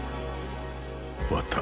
終わった。